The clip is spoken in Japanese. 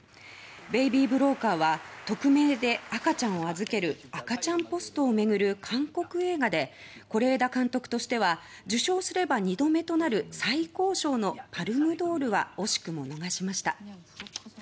「ベイビー・ブローカー」は匿名で赤ちゃんを預ける赤ちゃんポストをめぐる韓国映画で是枝監督としては受賞すれば２度目となる最高賞のパルムドールは惜しくも逃しました。